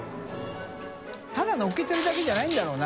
燭のっけてるだけじゃないんだろうな。